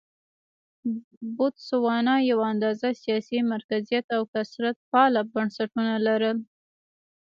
بوتسوانا یو اندازه سیاسي مرکزیت او کثرت پاله بنسټونه لرل.